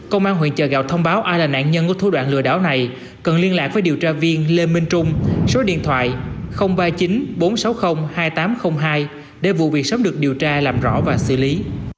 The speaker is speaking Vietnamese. công an huyện chợ gạo thông báo ai là nạn nhân của thu đoạn lừa đảo này cần liên lạc với điều tra viên lê minh trung số điện thoại ba mươi chín bốn trăm sáu mươi hai nghìn tám trăm linh hai để vụ việc sớm được điều tra làm rõ và xử lý